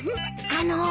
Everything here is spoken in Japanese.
あの。